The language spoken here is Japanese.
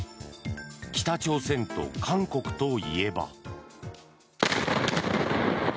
北朝鮮と韓国といえば。